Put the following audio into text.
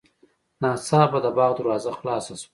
ناڅاپه د باغ دروازه خلاصه شوه.